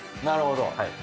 なるほど。